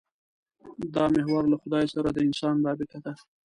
دا محور له خدای سره د انسان رابطه ده.